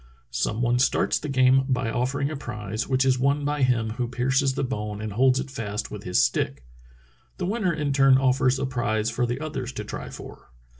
Some one starts the game by offering a prize, which is won by him who pierces the bone and holds it fast with his stick. The winner in turn offers a prize for the others to try for."